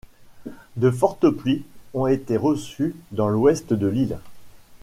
De fortes pluies ont été reçues dans l'ouest de l'île.